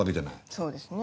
そうですね。